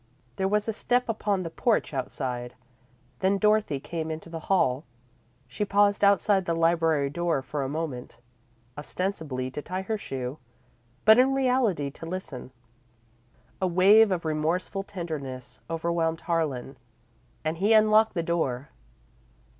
There was a step upon the porch outside, then Dorothy came into the hall. She paused outside the library door for a moment, ostensibly to tie her shoe, but in reality to listen. A wave of remorseful tenderness overwhelmed Harlan and he unlocked the door.